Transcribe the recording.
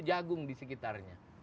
jagung di sekitarnya